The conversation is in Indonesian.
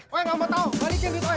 oe nggak mau tahu balikin duit oe